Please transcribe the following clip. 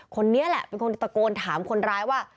คนนี้แหละเป็นคนตะโกนถามคนร้ายว่า